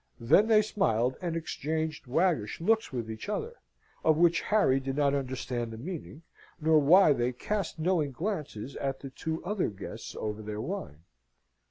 Then they smiled and exchanged waggish looks with each other, of which Harry did not understand the meaning, nor why they cast knowing glances at the two other guests over their wine.